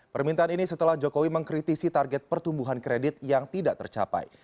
permintaan ini setelah jokowi mengkritisi target pertumbuhan kredit yang tidak tercapai